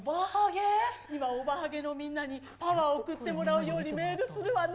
今、おばはげのみんなにパワーを送ってもらうようにメールするわね。